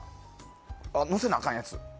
のせなあかんやつ。